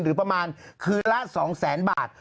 หรือประมาณคืนละ๒แสนบาท